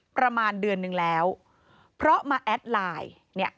ประมาณเดือนนึงแล้วเพราะมาแอดไลน์เนี่ย